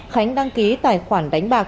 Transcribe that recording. khánh đăng ký tài khoản đánh bạc